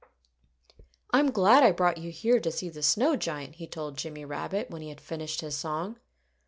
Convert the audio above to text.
"I'm glad I brought you here to see the snow giant," he told Jimmy Rabbit, when he had finished his song.